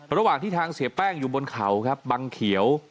ระหว่างที่ทางเสียแป้งอยู่บนเขาครับบังเขียว